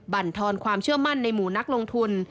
บรรทอนความเชื่อมั่นในหมู่นักลงทุน